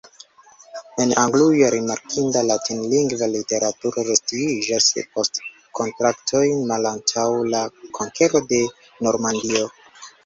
En Anglujo rimarkinda latinlingva literaturo reestiĝas post kontaktoj malantaŭ la konkero de Normandio.